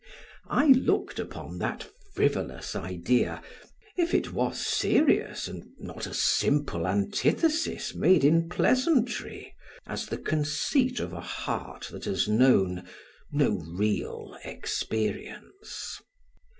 I looked upon that frivolous idea, if it was serious and not a simple antithesis made in pleasantry, as the conceit of a heart that has known no real experience.